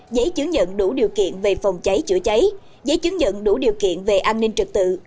giấy chứng nhận đủ điều kiện về phòng cháy chữa cháy giấy chứng nhận đủ điều kiện về an ninh trật tự